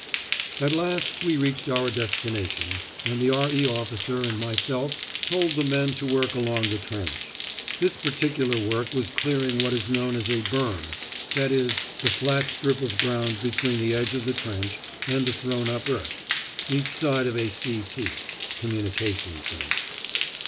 At last we reached our destination, and the R.E. officer and myself told off the men to work along the trench. This particular work was clearing what is known as a "berm," that is, the flat strip of ground between the edge of the trench and the thrown up earth, each side of a C.T. (communication trench).